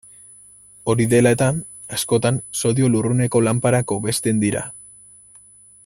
Hori dela-eta, askotan sodio-lurruneko lanparak hobesten dira.